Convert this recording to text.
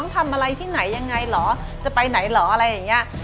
ทำอะไรที่ไหนยังไงเหรอจะไปไหนเหรออะไรอย่างนี้